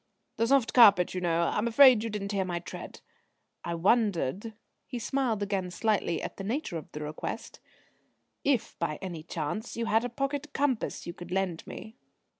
"The soft carpet, you know. I'm afraid you didn't hear my tread. I wondered" he smiled again slightly at the nature of the request "if by any chance you had a pocket compass you could lend me?"